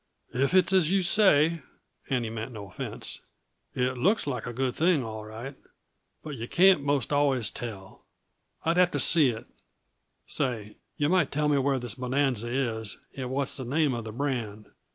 "If it's as you say" and he meant no offense "it looks like a good thing, all right. But yuh can't most always tell. I'd have to see it say, yuh might tell me where this bonanza is, and what's the name uh the brand.